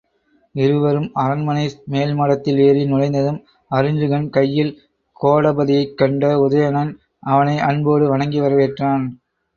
இருவரும் அரண்மனை மேல்மாடத்தில் ஏறி நுழைந்ததும், அருஞ்சுகன் கையில் கோடபதியைக் கண்ட உதயணன், அவனை அன்போடு வணங்கி வரவேற்றான்.